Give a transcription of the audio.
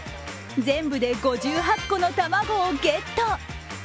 全部で５８個の卵をゲット。